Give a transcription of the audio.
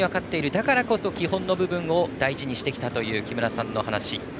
だからこそ基本の部分を大事にしてきたという木村さんの話。